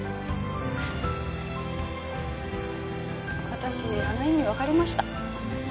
私あの意味わかりました。